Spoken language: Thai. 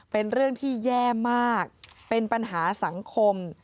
เป็นเรื่องที่แย่มากเป็นปัญหาสังคม